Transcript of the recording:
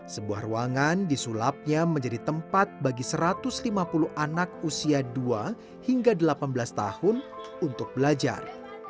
sebuah ruangan disulapnya menjadi tempat bagi satu ratus lima puluh anak usia dua hingga delapan belas tahun untuk belajar